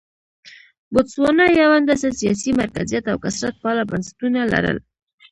بوتسوانا یو اندازه سیاسي مرکزیت او کثرت پاله بنسټونه لرل.